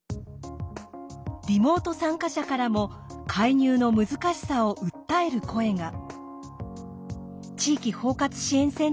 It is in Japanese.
リモート参加者からも介入の難しさを訴える声が。